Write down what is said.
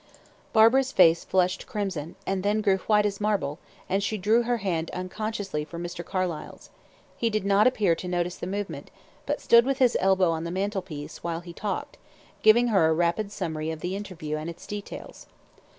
Barbara's face flushed crimson, and then grew white as marble; and she drew her hand unconsciously from Mr. Carlyle's. He did not appear to notice the movement, but stood with his elbow on the mantelpiece while he talked, giving her a rapid summary of the interview and its details.